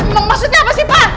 maksudnya apa sih pak